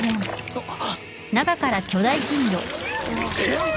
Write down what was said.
あっ！